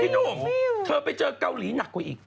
หนุ่มเธอไปเจอเกาหลีหนักกว่าอีก